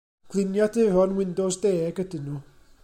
Gliniaduron Windows Deg ydyn nhw.